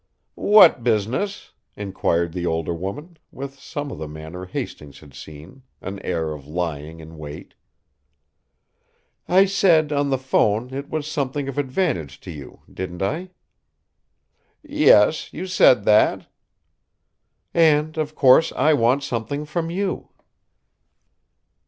"What business?" inquired the older woman, with some of the manner Hastings had seen, an air of lying in wait. "I said, on the 'phone, it was something of advantage to you didn't I?" "Yes; you said that." "And, of course, I want something from you."